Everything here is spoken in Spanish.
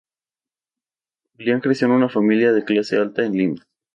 Julián creció en una familia de clase alta en Lima.